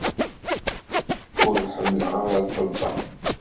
Ur ḥemmleɣ ara ṭṭebba.